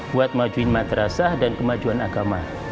buat majuin madrasah dan kemajuan agama